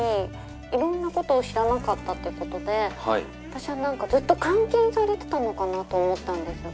いろんなことを知らなかったということで私はずっと監禁されてたのかなと思ったんですが。